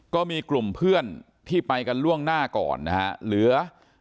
ก็มีกลุ่มเพื่อนที่ไปกันล่วงหน้าก่อนนะฮะเหลือ